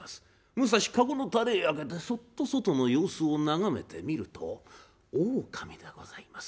武蔵駕籠の垂れ開けてそっと外の様子を眺めてみると狼でございます。